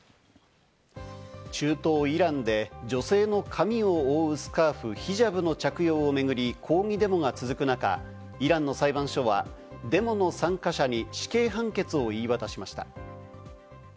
中東イランで女性の髪を覆うスカーフ・ヒジャブの着用をめぐり、抗議デモが続く中、イランの裁判所はデモの参加者に死刑判決を言い渡しました。